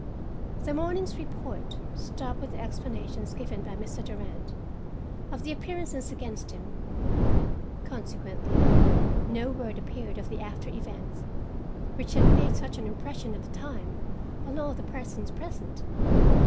The morning's report stopped with the explanations given by Mr. Durand of the appearances against him. Consequently no word appeared of the after events which had made such an impression at the time on all the persons present.